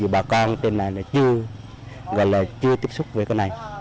bà con trên này là chưa gọi là chưa tiếp xúc với cái này